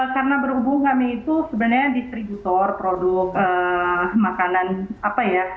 karena berhubung kami itu sebenarnya distributor produk makanan apa ya